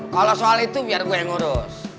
kalau soal itu biar gue yang ngurus